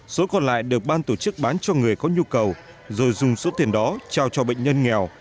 số còn lại được ban tổ chức bán cho người có nhu cầu rồi dùng số tiền đó trao cho bệnh nhân nghèo